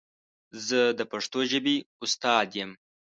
زه د پښتو ژبې استاد یم.